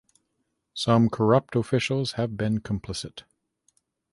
Some corrupt officials have been complicit.